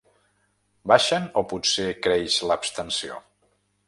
Baixen o potser creix l’abstenció?